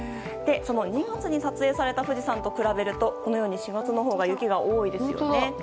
２月に撮影された富士山と比べると４月のほうが雪が多いですよね。